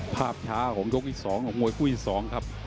ภาพช้าของยกที่สองของโมยคู่ที่สองครับ